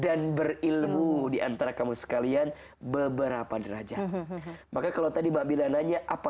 dan berilmu diantara kamu sekalian beberapa derajat maka kalau tadi mbak bila nanya apa